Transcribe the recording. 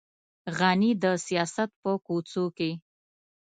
غني د سیاست په کوڅو کې.